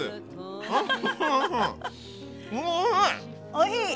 おいひい！